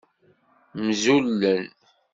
Mzulen.